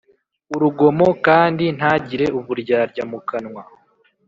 Urugomo kandi ntagire uburyarya mu kanwa